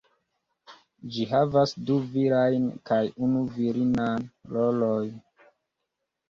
Ĝi havas du virajn kaj unu virinan rolojn.